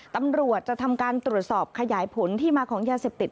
ตำรวจจะทำการตรวจสอบขยายผลที่มาของยาเสพติด